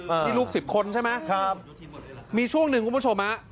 นี่ลูกสิบคนใช่ไหมครับมีช่วงหนึ่งคุณผู้ชมฮะ